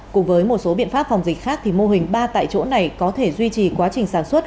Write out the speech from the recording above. cùng với một số biện pháp phòng dịch khác thì mô hình ba tại chỗ này có thể duy trì quá trình sản xuất